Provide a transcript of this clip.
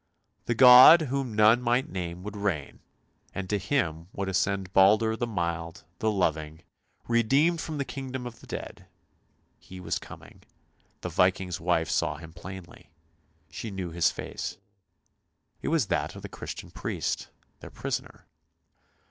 The God whom none might name would reign, and to Him would ascend Baldur the mild, the loving, redeemed from the kingdom of the dead — he was coming — the Viking's wife saw him plainly, she knew his face — it was that of the Christian priest, their prisoner.